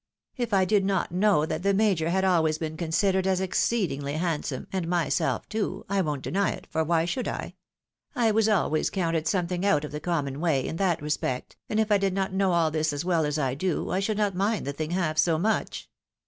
K I did not know that the Major had always been considered as exceedingly handsome, and my self too — ^I won't deny it, for why should I ?— I was always counted something out of the common way, in that respect, and if I did not know all this as well as I do, I should not mind the thing half so much."